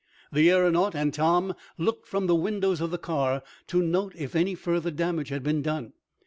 The aeronaut and Tom looked from the windows of the car, to note if any further damage had been done.